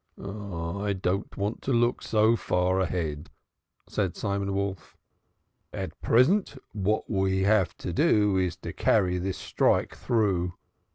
"I don't want to look so far ahead," said Simon Wolf. "At present, what we have to do is to carry this strike through.